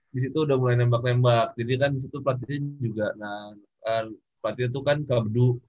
di situ udah mulai nembak nembak jadi kan di situ pelatihnya juga nah pelatihnya tuh kan kak bedu